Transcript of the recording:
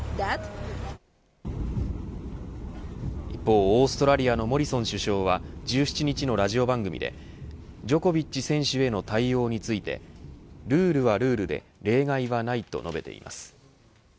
一方オーストラリアのモリソン首相は１７日のラジオ番組でジョコビッチ選手への対応についてルールはルールで例外はないと述べています。